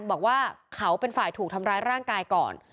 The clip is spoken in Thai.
บอกว่าเขาเป็นฝ่ายถูกทำร้ายร่างกายก่อน